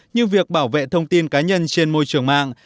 như việc bảo vệ thông tin cá nhân trên môi trường mạng